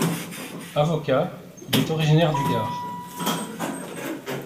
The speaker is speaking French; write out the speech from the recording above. Avocat, il est originaire du Gard.